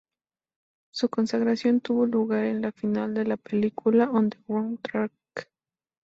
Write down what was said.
Su consagración tuvo lugar en la final de la película "On the Wrong Track".